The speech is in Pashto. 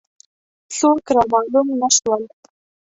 څوک را معلوم نه شول.